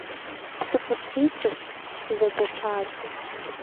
Сыкъытричырт, сызэгуэпати.